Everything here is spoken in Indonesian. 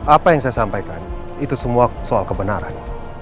apa yang saya sampaikan itu semua soal kebenaran